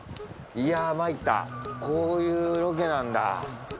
いや参ったこういうロケなんだ。